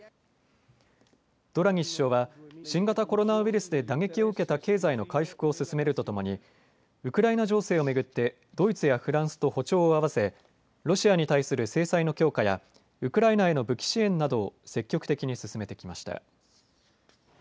ドラギ首相は新型コロナウイルスで打撃を受けた経済の回復を進めるとともにウクライナ情勢を巡ってドイツやフランスと歩調をあわせロシアに対する制裁の強化やウクライナへの武器支援などを積極的に進めてきました。